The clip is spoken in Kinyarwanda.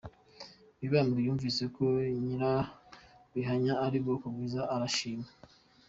Mibambwe yumvise ko Nyirabihanya ari ubwoko bwiza arishima.